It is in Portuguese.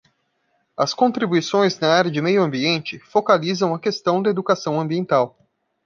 As contribuições na área de Meio Ambiente focalizam a questão da educação ambiental